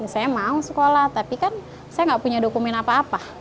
saya mau sekolah tapi kan saya nggak punya dokumen apa apa